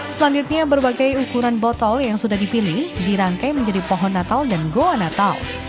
selanjutnya berbagai ukuran botol yang sudah dipilih dirangkai menjadi pohon natal dan goa natal